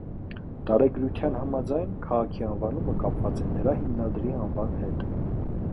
Տարեգրության համաձայն՝ քաղաքի անվանումը կապված է նրա հիմնադրի անվան հետ։